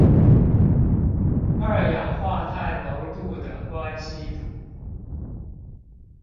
二氧化碳濃度的關係圖